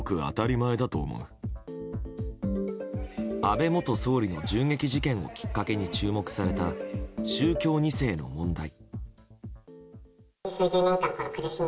安倍元総理の銃撃事件をきっかけに注目された宗教２世の問題。